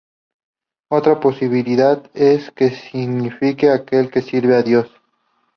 Otra posibilidad es que signifique "Aquel que sirve a Dios".